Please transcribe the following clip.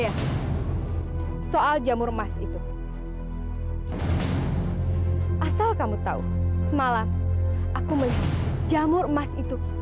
yang harus blijveran dan menarik video ini salma kerja memuji for the good